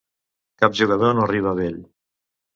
Cap jugador no arriba a vell.